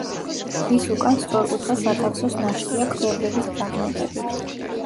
რის უკან სწორკუთხა სათავსოს ნაშთია ქვევრების ფრაგმენტებით.